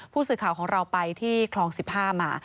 ผู้สื่อข่าวของเราไปที่คลอง๑๕มา